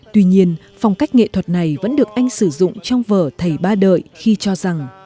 tuy nhiên phong cách nghệ thuật này vẫn được anh sử dụng trong vở thầy ba đợi khi cho rằng